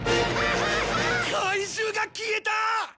怪獣が消えた！